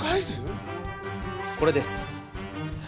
これです。